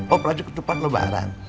operasi ke depan lebaran